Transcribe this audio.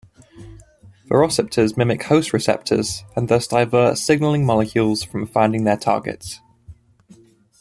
Viroceptors mimic host receptors and thus divert signaling molecules from finding their targets.